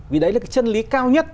vì đấy là cái chân lý cao nhất